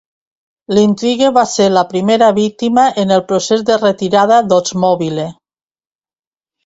L'Intrigue va ser la primera víctima en el procés de retirada d'Oldsmobile.